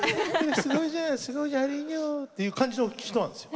「すごいじゃんすごいじゃんあれいいよ」っていう感じの人なんですよ。